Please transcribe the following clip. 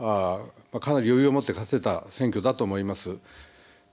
一本化できていればかなり余裕を持って勝てた選挙だと思います。